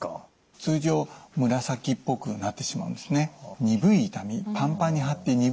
通常紫っぽくなってしまうんですね。